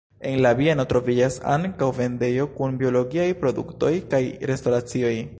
En la bieno troviĝas ankaŭ vendejo kun biologiaj produktoj kaj restoracio.